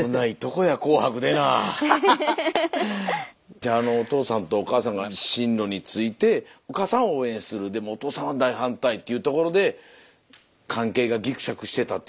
じゃあお父さんとお母さんが進路についてお母さんは応援するでもお父さんは大反対っていうところで関係がぎくしゃくしてたっていうのはご存じでした？